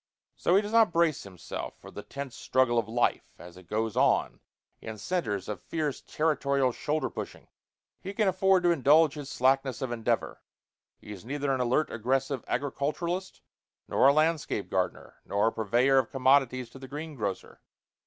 So he does not brace himself for the tense struggle of life as it goes on in centres of fierce territorial shoulder pushing. He can afford to indulge his slackness of endeavor. He is neither an alert aggressive agriculturist, nor a landscape gardener, nor a purveyor of commodities to the green grocer.